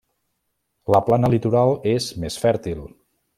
La plana litoral és més fèrtil.